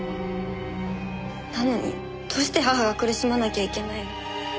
なのにどうして母が苦しまなきゃいけないの？